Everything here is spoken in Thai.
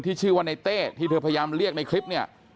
ชื่อว่าในเต้ที่เธอพยายามเรียกในคลิปเนี่ย